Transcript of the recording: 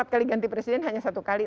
empat kali ganti presiden hanya satu kali